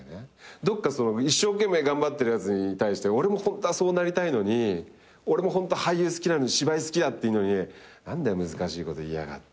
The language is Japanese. どっか一生懸命頑張ってるやつに対して俺もホントはそうなりたいのに俺もホント俳優好きなのに芝居好きだっていうのに何だよ難しいこと言いやがって。